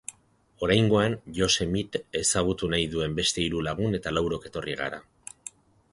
Oraingoan Yosemite ezagutu nahi duen beste hiru lagun eta laurok etorri gara.